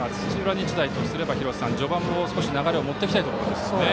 日大とすれば、廣瀬さん序盤の流れを持ってきたいところですね。